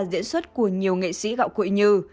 diễn xuất của nhiều nghệ sĩ gạo cụi như